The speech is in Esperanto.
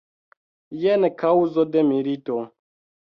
Jen kaŭzo de milito.